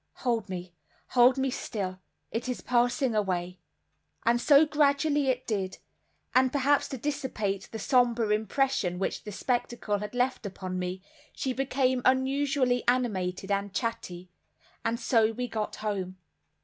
"Hold me, hold me still. It is passing away." And so gradually it did; and perhaps to dissipate the somber impression which the spectacle had left upon me, she became unusually animated and chatty; and so we got home.